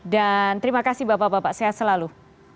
dan terima kasih bapak bapak sehat selalu